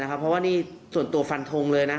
เพราะว่านี่ส่วนตัวฟันทงเลยนะ